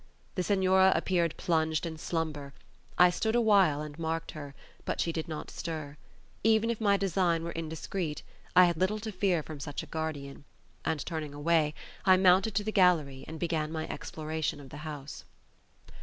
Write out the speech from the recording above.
The Senora appeared plunged in slumber; I stood awhile and marked her, but she did not stir; even if my design were indiscreet, I had little to fear from such a guardian; and turning away, I mounted to the gallery and began my exploration of the house.